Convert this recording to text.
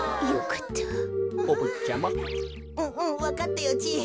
わかったよじい。